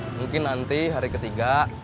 mungkin nanti hari ketiga